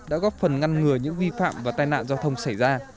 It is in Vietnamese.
đã góp phần ngăn ngừa những vi phạm và tai nạn giao thông xảy ra